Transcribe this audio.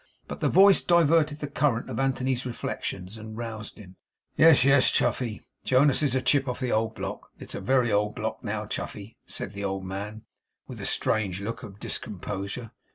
But the voice diverted the current of Anthony's reflections, and roused him. 'Yes, yes, Chuffey, Jonas is a chip of the old block. It is a very old block, now, Chuffey,' said the old man, with a strange look of discomposure.